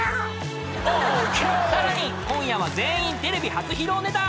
［さらに今夜は全員テレビ初披露ネタ］